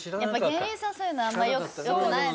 芸人さんそういうのあんまりよくないです。